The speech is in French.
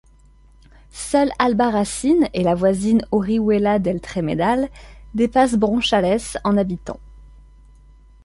Seules Albarracín et la voisine Orihuela del Tremedal dépassent Bronchales en habitants.